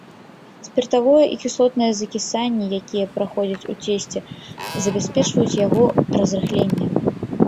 Спіртавое і кіслотнае закісанні, якія праходзяць у цесце, забяспечваюць яго разрыхленне.